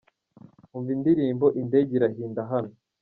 Umva indirimbo “Indege Irahinda” hano :.